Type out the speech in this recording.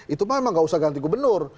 itu mah emang gak usah ganti gubernur